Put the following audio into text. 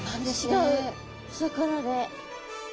違うお魚で。